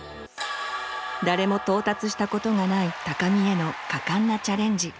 誰も到達したことがない高みへの果敢なチャレンジ。